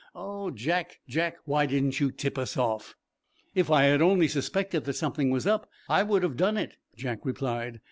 Oh, Jack, Jack! Why didn't you tip us off?" "If I had only suspected that something was up, I would have done it," Jack replied.